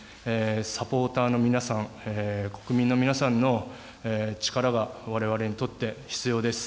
サポーターの皆さん、国民の皆さんの力がわれわれにとって必要です。